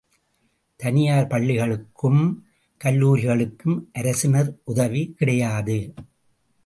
தனியார் பள்ளிகளுக்கும் கல்லூரிகளுக்கும் அரசினரின் உதவி கிடையாது.